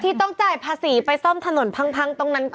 ที่ต้องจ่ายภาษีไปซ่อมถนนพังตรงนั้นก็